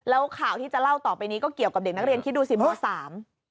แล้วข่าวที่จะเล่าต่อไปนี้ก็เกี่ยวกับเด็กนักเรียนคิดดูสิหมวดสาม